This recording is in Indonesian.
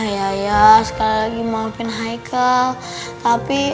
ya ya sekali lagi maafin hai kal tapi